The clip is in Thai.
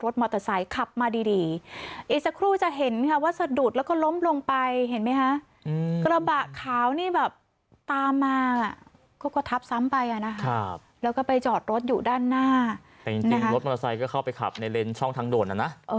แต่จริงรถมอเตอร์ไซค์ก็เข้าไปขับในเลนส์ช่องทางโดดนะ